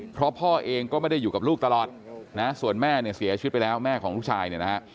เพราะพ่อเองก็ไม่ได้อยู่กับลูกตลอดนะส่วนแม่เนี่ยเสียชีวิตไปแล้วแม่ของลูกชายเนี่ยนะฮะ